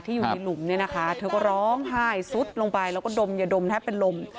อยู่ในหลุมเนี่ยนะคะเธอก็ร้องไห้ซุดลงไปแล้วก็ดมอย่าดมแทบเป็นลม